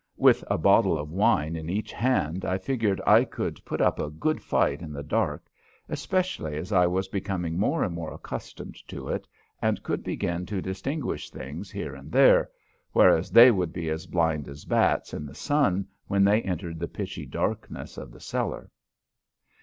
With a bottle of wine in each hand I figured I could put up a good fight in the dark, especially as I was becoming more and more accustomed to it and could begin to distinguish things here and there, whereas they would be as blind as bats in the sun when they entered the pitchy darkness of the cellar.